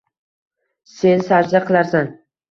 Sen sajda qilarsan